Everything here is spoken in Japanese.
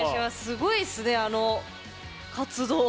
すごいっすねあの活動。